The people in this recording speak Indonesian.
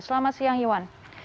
selamat siang iwan